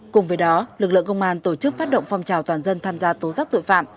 cùng với đó lực lượng công an tổ chức phát động phong trào toàn dân tham gia tố giác tội phạm